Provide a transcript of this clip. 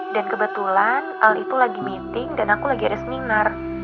dan kebetulan al itu lagi meeting dan aku lagi ada seminar